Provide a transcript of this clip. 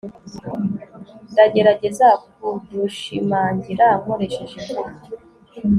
ndagerageza kudushimangira nkoresheje imvugo